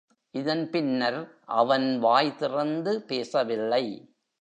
இதன் பின்னர் அவன் வாய் திறந்து பேசவில்லை.